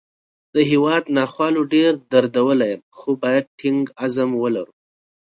د هیواد ناخوالو ډېر دردولی یم، خو باید ټینګ عزم ولرو